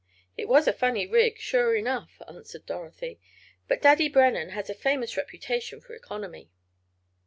"It was a funny rig, sure enough," answered Dorothy, "but Daddy Brennen has a famous reputation for economy."